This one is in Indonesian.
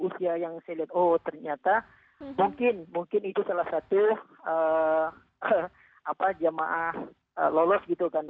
usia yang saya lihat oh ternyata mungkin itu salah satu jamaah lolos gitu kan